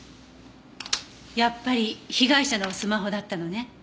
やっぱり被害者のスマホだったのね。